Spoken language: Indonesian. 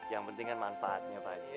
yang penting kan manfaatnya pak haji ya